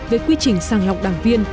về quy trình sang lọc đảng viên